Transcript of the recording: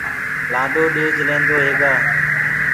لآڏو ڏيج لينٚدوئي هيگآ